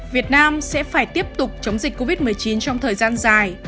việt nam sẽ phải tiếp tục chống dịch covid một mươi chín trong thời gian dài